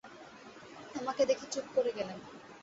আমাকে দেখে চুপ করে গেলেন।